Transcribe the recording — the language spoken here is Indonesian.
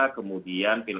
kita buat di senayan bang vito